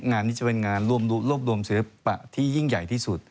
งานนี้จะเป็นงานรวบรวมศิลปะที่ยิ่งใหญ่ที่สุด